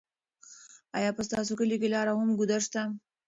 ایا په ستاسو کلي کې لا هم ګودر شته؟